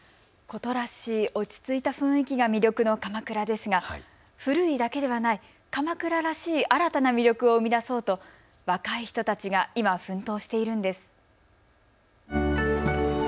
古都らしい落ち着いた雰囲気が魅力の鎌倉ですが古いだけではない鎌倉らしい新たな魅力を生み出そうと若い人たちが今奮闘しているんです。